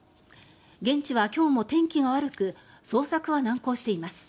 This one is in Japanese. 現地は今日も天気が悪く捜索は難航しています。